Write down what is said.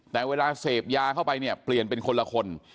แต่เวลาเสพยาเข้าไปเนี่ยเปลี่ยนเป็นคนละคน